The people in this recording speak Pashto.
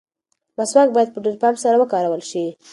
مسواک باید په ډېر پام سره وکارول شي.